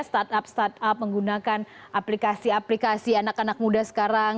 start up start up menggunakan aplikasi aplikasi anak anak muda sekarang